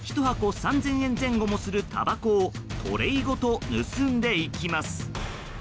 １箱３０００円前後もするたばこをトレーごと盗んでいきます。